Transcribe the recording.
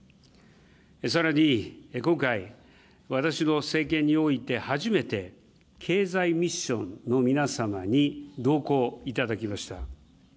さらに今回、私の政権において初めて経済ミッションの皆様に同行いただきました。